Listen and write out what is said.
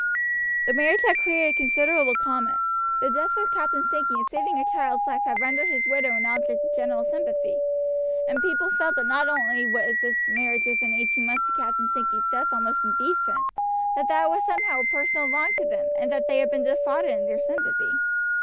The marriage had created considerable comment. The death of Captain Sankey in saving a child's life had rendered his widow an object of general sympathy, and people felt that not only was this marriage within eighteen months of Captain Sankey's death almost indecent, but that it was somehow a personal wrong to them, and that they had been defrauded in their sympathy.